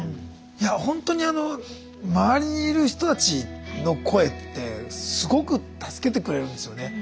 いやほんとに周りにいる人たちの声ってすごく助けてくれるんですよね。